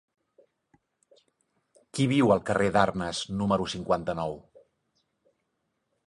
Qui viu al carrer d'Arnes número cinquanta-nou?